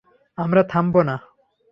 আমরা থামবো না।